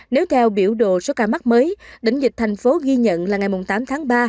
nếu theo biểu đồ số ca mắc mới đỉnh dịch thành phố ghi nhận là ngày tám tháng ba